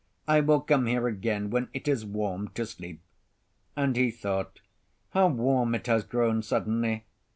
I will come here again, when it is warm, to sleep." And he thought, "How warm it has grown suddenly!"